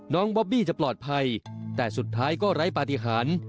บอบบี้จะปลอดภัยแต่สุดท้ายก็ไร้ปฏิหาร